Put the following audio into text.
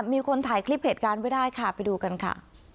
มีคนถ่ายคลิปเหตุการณ์ไว้ได้ค่ะไปดูกันค่ะ